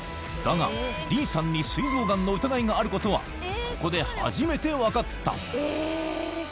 だが、Ｄさんにすい臓がんの疑いがあることはここで初めて分かった。